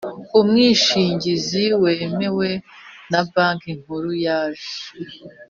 umwishingizi wemewe na Banki Nkuru yaje